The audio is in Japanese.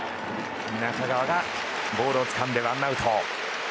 中川がボールをつかんでワンアウト。